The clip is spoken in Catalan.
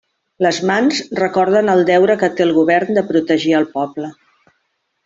Les mans recorden el deure que té el govern de protegir el poble.